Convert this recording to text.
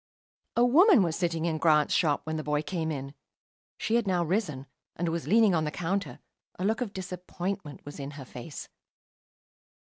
A woman was sitting in Grant's shop when the boy came in; she had now risen, and was leaning on the counter; a look of disappointment was in her face.